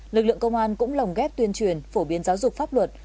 lực lượng công an cũng lồng ghép tuyên truyền phổ biến giáo dục pháp luật